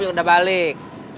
yang udah balik